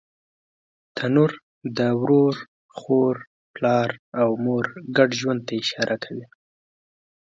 تنور د ورور، خور، پلار او مور ګډ ژوند ته اشاره کوي